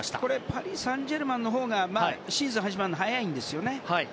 パリ・サンジェルマンはシーズン始まるのが早いんですよね。